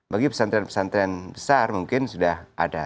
bagi pesantren pesantren besar mungkin sudah ada